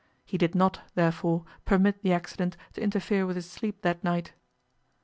He did not, therefore, permit the accident to interfere with his sleep that night.